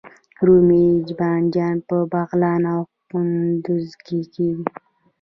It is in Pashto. رومي بانجان په بغلان او کندز کې کیږي